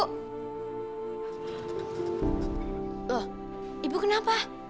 loh ibu kenapa